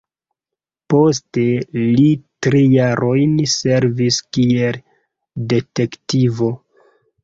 Poste li tri jarojn servis kiel detektivo.